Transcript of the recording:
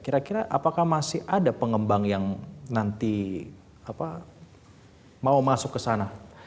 kira kira apakah masih ada pengembang yang nanti mau masuk ke sana